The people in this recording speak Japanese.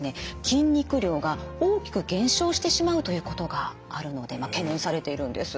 筋肉量が大きく減少してしまうということがあるので懸念されているんです。